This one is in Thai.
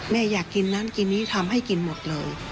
อยากกินนั้นกินนี้ทำให้กินหมดเลย